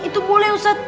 itu boleh ustad